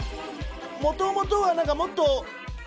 もともとはもっと。